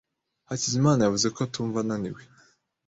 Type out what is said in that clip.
Hakizimana yavuze ko atumva ananiwe.